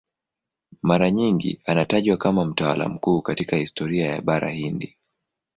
Mara nyingi anatajwa kama mtawala mkuu katika historia ya Bara Hindi.